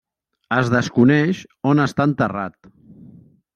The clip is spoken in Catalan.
Es desconeix on està enterrat.